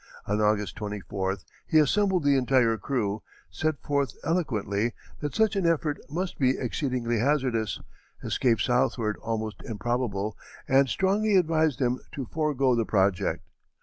On August 24th he assembled the entire crew, set forth eloquently that such an effort must be exceedingly hazardous, escape southward almost improbable, and strongly advised them to forego the project.